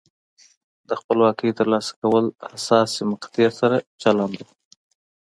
د خپلواکۍ ترلاسه کول حساسې مقطعې سره چلند و.